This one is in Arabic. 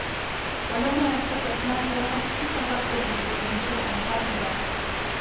ولولا أن ثبتناك لقد كدت تركن إليهم شيئا قليلا